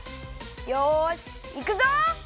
よしいくぞ！